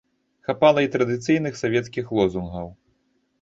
Хапала і традыцыйных савецкіх лозунгаў.